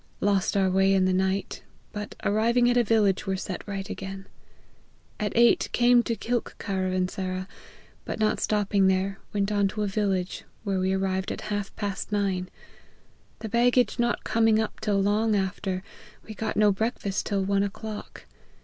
Lost our way in the night, but arriving at a village were set right again. At eight came to Kilk caravansera, but not stopping there, went on to a village, where we arrived at half past nine. The baggage not coming up till long after, we got no breakfast till one o'clock.